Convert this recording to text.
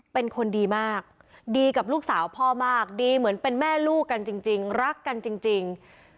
เป็นคนดีมากดีกับลูกสาวพ่อมากดีเหมือนเป็นแม่ลูกกันจริงรักกันจริง